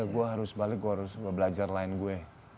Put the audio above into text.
gue harus balik gue harus belajar line gue